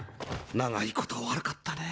長いこと悪かったね。